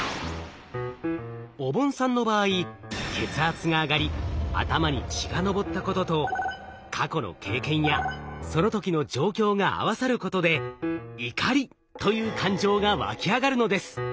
おぼんさんの場合血圧が上がり頭に血がのぼったことと過去の経験やその時の状況が合わさることで「怒り」という感情がわき上がるのです。